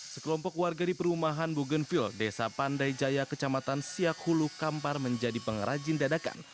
sekelompok warga di perumahan bugenville desa pandai jaya kecamatan siak hulu kampar menjadi pengrajin dadakan